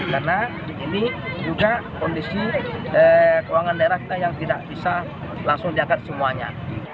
karena ini juga kondisi keuangan daerah kita yang tidak bisa langsung diangkat semuanya